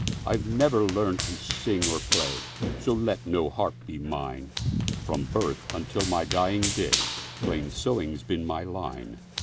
I 've never learned to sing or play, So let no harp be mine; From birth unto my dying day, Plain sewing 's been my line.